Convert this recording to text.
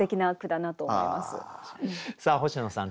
さあ星野さん